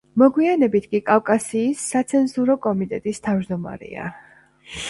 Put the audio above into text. მოგვიანებით კი კავკასიის საცენზურო კომიტეტის თავჯდომარეა.